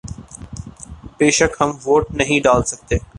بے شک ہم ووٹ نہیں ڈال سکتے